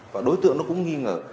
và đối tượng nó cũng nghi ngờ